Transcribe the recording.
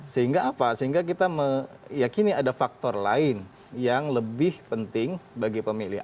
sehingga apa sehingga kita meyakini ada faktor lain yang lebih penting bagi pemilih